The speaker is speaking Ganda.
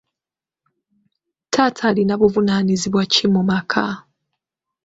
Taata alina buvunaanyizibwa ki mu maka?